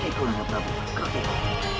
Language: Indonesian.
kau kira nanda prabu kau kira